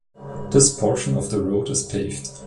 This portion of the road is paved.